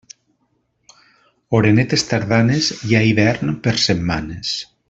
Orenetes tardanes, hi ha hivern per setmanes.